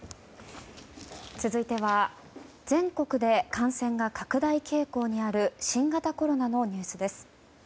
続いては全国で感染が拡大傾向にある新型コロナのニュースです。